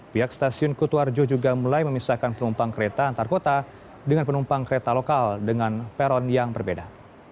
pihak stasiun kutuarjo juga mulai memisahkan penumpang kereta antar kota dengan penumpang kereta lokal dengan peron yang berbeda